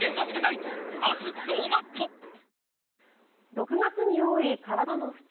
６月に多い体の不調。